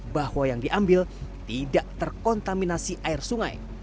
bahwa yang diambil tidak terkontaminasi air sungai